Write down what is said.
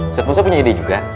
ustaz musa punya ide juga